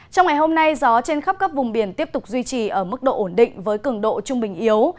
trong ngày hôm nay gió trên khắp các vùng biển tiếp tục duy trì ở mức độ ổn định với cường độ trung bình yếu